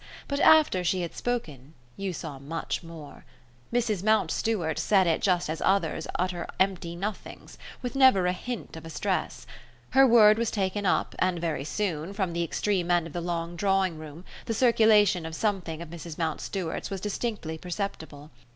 But after she had spoken you saw much more. Mrs. Mountstuart said it just as others utter empty nothings, with never a hint of a stress. Her word was taken up, and very soon, from the extreme end of the long drawing room, the circulation of something of Mrs. Mountstuart's was distinctly perceptible.